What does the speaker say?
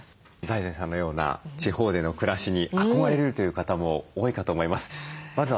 財前さんのような地方での暮らしに憧れるという方も多いかと思います。